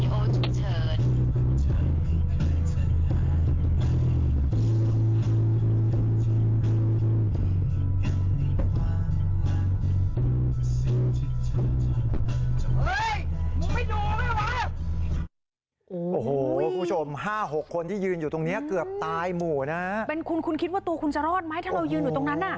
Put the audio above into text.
โอ้โหคุณผู้ชมห้าหกคนที่ยืนอยู่ตรงนี้เกือบตายหมู่นะฮะเป็นคุณคุณคิดว่าตัวคุณจะรอดไหมถ้าเรายืนอยู่ตรงนั้นอ่ะ